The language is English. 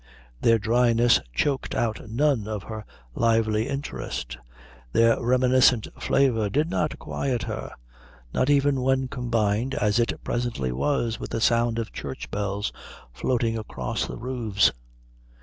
Their dryness choked out none of her lively interest, their reminiscent flavour did not quiet her, not even when combined, as it presently was, with the sound of church bells floating across the roofs.